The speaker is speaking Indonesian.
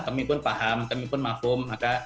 kami pun paham kami pun mafum maka